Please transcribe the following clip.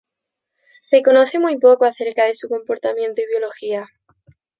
Se conoce muy poco acerca de su comportamiento y biología.